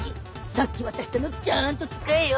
さっき渡したのちゃんと使えよ。